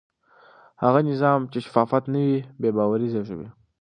هغه نظام چې شفاف نه وي بې باوري زېږوي